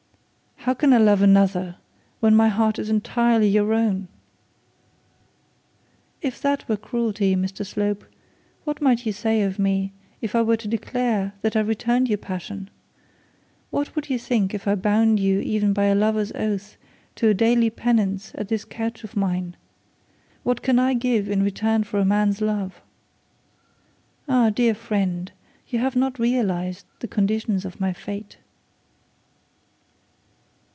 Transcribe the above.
'How can I love another, while my heart is entirely your own?' 'If that were cruelty, Mr Slope, what might you say of me if I were to declare that I returned your passion? What would you think if I bound you even by a lover's oath to do daily penance at this couch of mine? What can I give in return for a man's love? Ah, dear friend, you have not realised the condition of my fate.'